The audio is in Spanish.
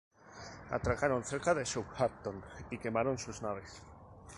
Atracaron cerca de Southampton y quemaron sus naves.